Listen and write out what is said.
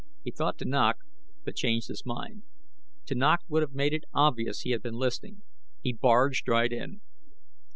He thought to knock, but changed his mind. To knock would have made it obvious he had been listening. He barged right in.